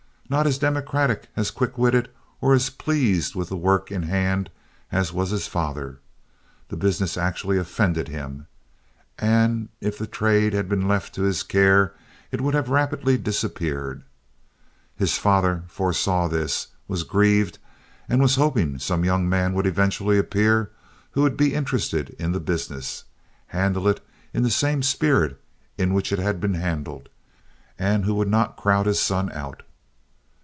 Not as democratic, as quick witted, or as pleased with the work in hand as was his father, the business actually offended him. And if the trade had been left to his care, it would have rapidly disappeared. His father foresaw this, was grieved, and was hoping some young man would eventually appear who would be interested in the business, handle it in the same spirit in which it had been handled, and who would not crowd his son out.